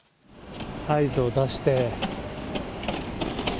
合図を出して。